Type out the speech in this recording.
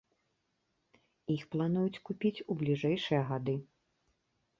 Іх плануюць купіць у бліжэйшыя гады.